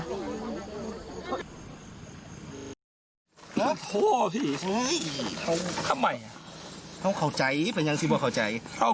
เราอภัยเราขอโทษทำไมไม่ให้โอกาสเรา